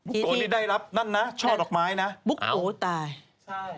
บุ๊กโกะนี่ได้รับนั่นนะช่อดอกไม้นะบุ๊กโกะตายอ้าว